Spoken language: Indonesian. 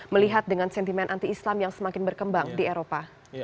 melihat dengan sentimen anti islam yang semakin berkembang di eropa